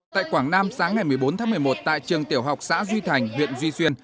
tại quảng nam sáng ngày một mươi bốn tháng một mươi một tại trường tiểu học xã duy thành huyện duy xuyên